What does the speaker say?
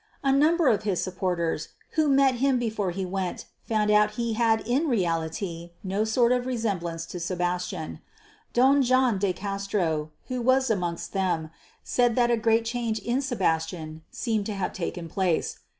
A number of his supporters, who met him before he went, found that he had in reality no sort of resemblance to Sebastian. Don John de Castro, who was amongst them, said that a great change in Sebastian seemed to have taken place.